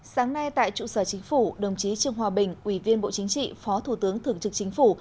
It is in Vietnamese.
sáng nay tại trụ sở chính phủ đồng chí trương hòa bình ủy viên bộ chính trị phó thủ tướng thường trực chính phủ